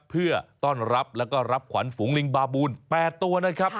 เพื่อต้อนรับแล้วก็รับขวัญฝูงลิงบาบูล๘ตัวนะครับ